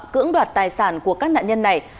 cưỡng đoạt tài sản của các nạn nhân này